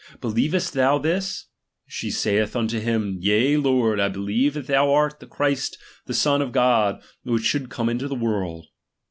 Believest thou this ? She saith unto hivi, yea, Lord, I be lieve that thou art the Christ the Son of God, which should come into the world.